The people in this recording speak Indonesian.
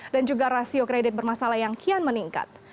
dan juga rasio kredit bermasalah yang kian meningkat